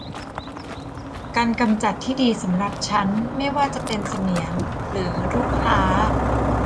การกำจัดที่ดีสำหรับฉัน ไม่ว่าจะเป็นเสมียนหรือลูกค้า